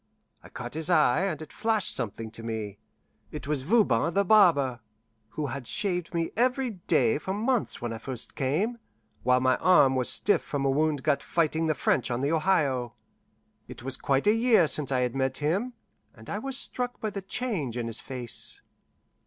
I caught his eye, and it flashed something to me. It was Voban the barber, who had shaved me every day for months when I first came, while my arm was stiff from a wound got fighting the French on the Ohio. It was quite a year since I had met him, and I was struck by the change in his face.